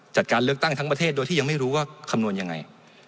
จัดการเลือกตั้งทั้งประเทศโดยที่ยังไม่รู้ว่าคำนวณยังไง